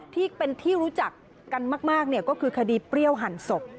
ที่เป็นที่รู้จักกันมากก็คือคดีเปรี้ยวหั่นศพ